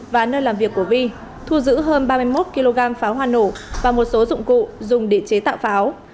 và nơi làm việc của vi thu giữ hơn ba mươi một kg pháo hoa nổ và một số dụng cụ dùng để chế tạo pháo